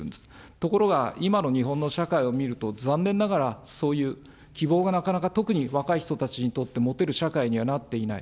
ところが今の日本の社会を見ると、残念ながら、そういう希望がなかなか特に若い人たちにとって持てる社会にはなっていない。